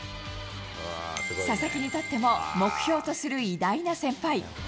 佐々木にとっても目標とする偉大な先輩。